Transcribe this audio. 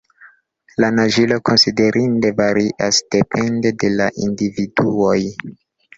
La naĝilo konsiderinde varias depende de la individuoj.